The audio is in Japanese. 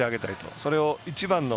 それを一番の。